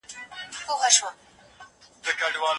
که سیند وي نو فصل نه وچیږي.